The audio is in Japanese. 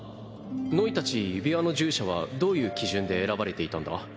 ノイたち指輪の従者はどういう基準で選ばれていたんだ？